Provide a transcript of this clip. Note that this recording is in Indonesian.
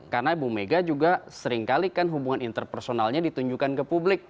karena ibu mega juga seringkali kan hubungan interpersonalnya ditunjukkan ke publik